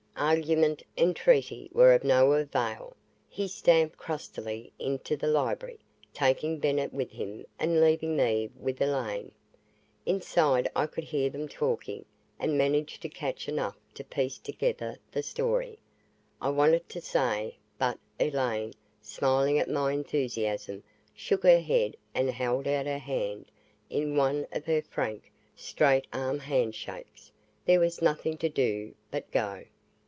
Argument, entreaty were of no avail. He stamped crustily into the library, taking Bennett with him and leaving me with Elaine. Inside I could hear them talking, and managed to catch enough to piece together the story. I wanted to stay, but Elaine, smiling at my enthusiasm, shook her head and held out her hand in one of her frank, straight arm hand shakes. There was nothing to do but go.